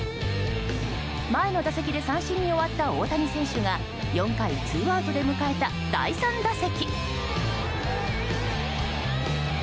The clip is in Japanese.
前の打席で三振に終わった大谷選手が４回ツーアウトで迎えた第３打席。